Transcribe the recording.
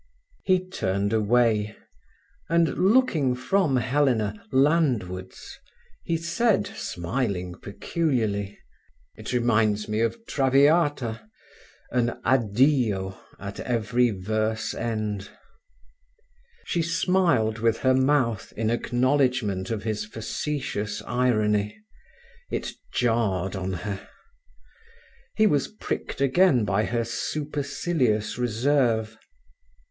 He turned away, and, looking from Helena landwards, he said, smiling peculiarly: "It reminds me of Traviata—an 'Addio' at every verse end." She smiled with her mouth in acknowledgement of his facetious irony; it jarred on her. He was pricked again by her supercilious reserve.